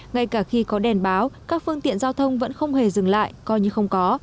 ngay cả khi có đèn báo các phương tiện giao thông vẫn không hề dừng lại coi như không có